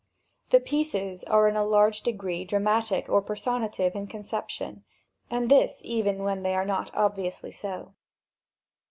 The pieces are in a large degree dramatic or personative in conception; and this even where they are not obviously so.